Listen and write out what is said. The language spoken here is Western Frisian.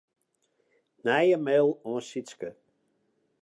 Nije mail oan Sytske.